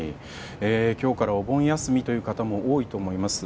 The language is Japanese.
今日からお盆休みという方も多いと思います。